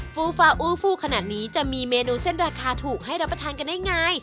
ฟูฟาอูฟูขนาดนี้จะมีเมนูเส้นราคาถูกให้รับประทานกันได้ไง